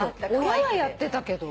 親はやってたけど。